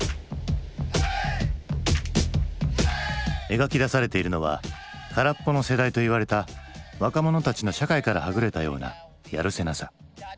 描き出されているのは「空っぽの世代」といわれた若者たちの社会からはぐれたようなやるせなさ。